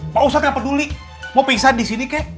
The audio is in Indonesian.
pak ustad gak peduli mau pengisahan disini kek